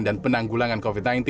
dan penanggulangan covid sembilan belas